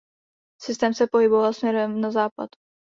Systém se pohyboval směrem na západ.